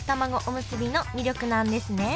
おむすびの魅力なんですね